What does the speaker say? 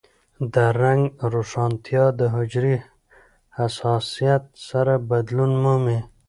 د رنګ روښانتیا د حجرې حساسیت سره بدلون مومي.